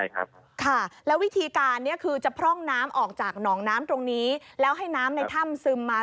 ก็คือที่หนองน้ำผู้ถูกต้องใช่ไหมคะ